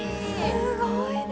すごいね。